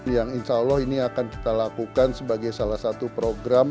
yang insya allah ini akan kita lakukan sebagai salah satu program